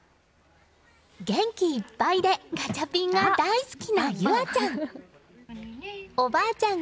元気いっぱいでガチャピンが大好きなゆあちゃん。